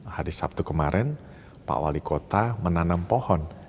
hari sabtu kemarin pak wali kota menanam pohon